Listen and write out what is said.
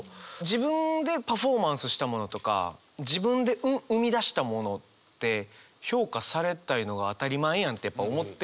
自分でパフォーマンスしたものとか自分で生み出したものって評価されたいのが当たり前やんって思ってしまう。